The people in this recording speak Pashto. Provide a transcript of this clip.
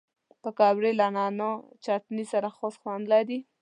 پکورې له نعناع چټني سره خاص خوند لري